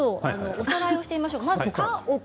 おさらいしてみましょうか。